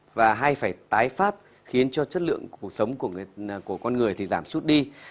và hay phải tái phát khiến cho chất lượng cuộc sống của con người thì giảm sút đi